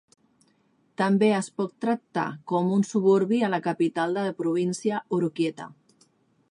També es pot tractar con un suburbi a la capital de província, Oroquieta.